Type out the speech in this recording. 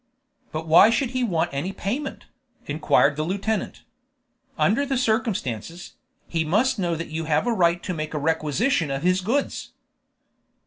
"But why should he want any payment?" inquired the lieutenant. "Under the circumstances, he must know that you have a right to make a requisition of his goods."